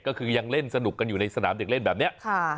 ก็คือยังเล่นสนุกกันอยู่ในสนามเด็กเล่นแบบนี้